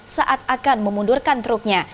saat akan memundurkan truknya